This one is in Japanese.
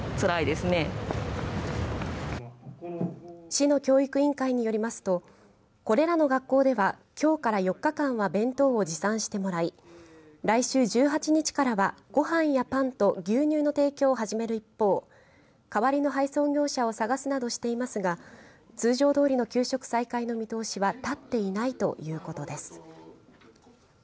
市の教育委員会によりますとこれらの学校ではきょうから４日間は弁当を持参してもらい来週１８日からはご飯やパンと牛乳の提供を始める一方代わりの配送業者を探すなどしていますが通常どおりの給食再開の見通しは立っていないということです。